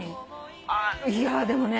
いやでもね